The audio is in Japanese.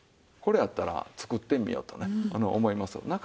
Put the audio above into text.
これやったら作ってみようとね思いますよ。